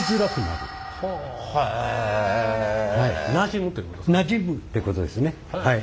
なじむってことですね。